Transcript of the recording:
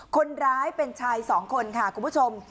คนร้ายเป็นชายสองคนค่ะคุณผู้ชม